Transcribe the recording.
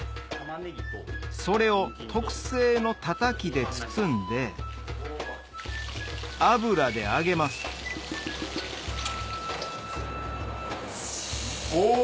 それを特製のたたきで包んで油で揚げますお！